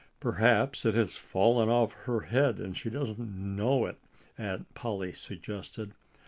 "Perhaps it has fallen off her head and she doesn't know it," Aunt Polly suggested.